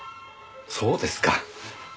そうですか。